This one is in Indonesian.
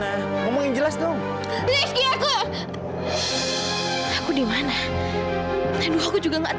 aku nunggu jam kayak gati